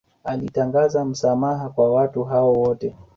Alitangaza msamaha kwa watu hao wote